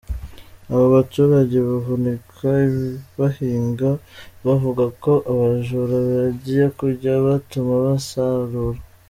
Abo baturage bavunika bahinga bavuga ko abajura bagiye kujya batuma basarura .